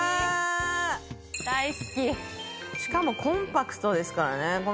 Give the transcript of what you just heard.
しかもコンパクトですからね。